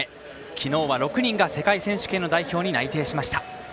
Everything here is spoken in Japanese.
昨日は６人が世界選手権の代表に内定しました。